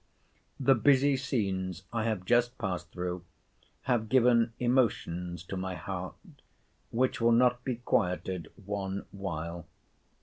The busy scenes I have just passed through have given emotions to my heart, which will not be quieted one while.